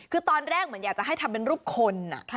คือตอนแรกเหมือนอยากจะให้ทำเป็นรูปคน